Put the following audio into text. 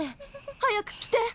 早く来て！